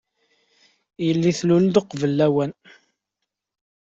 Yelli tlul-d uqbel lawan.